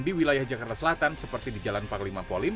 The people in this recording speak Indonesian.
di wilayah jakarta selatan seperti di jalan paklima polim